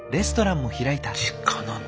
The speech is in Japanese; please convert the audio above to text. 実家なんだ。